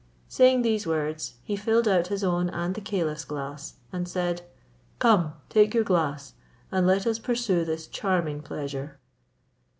Saying these words, he filled out his own and the caliph's glass, and said, "Come, take your glass, and let us pursue this charming pleasure."